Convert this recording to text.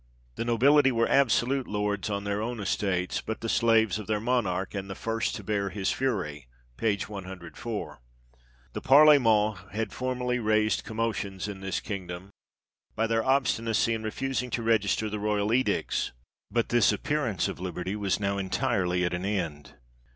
" The nobility were absolute lords on their own estates, but the slaves of their monarch, and the first to bear his fury" (p. 104). "The Parle ments had formerly raised commotions in this kingdom r by their obstinacy in refusing to register the royal edicts: but this appearance of liberty was now entirely at an end."